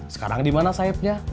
sekarang di mana saebnya